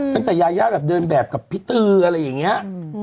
ตั้งแต่ยายาแบบเดินแบบกับพี่ตืออะไรอย่างนี้